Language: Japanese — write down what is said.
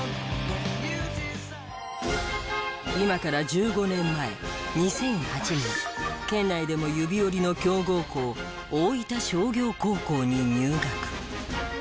今から１５年前２００８年県内でも指折りの強豪校大分商業高校に入学。